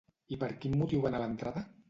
I per quin motiu va anar a l'entrada?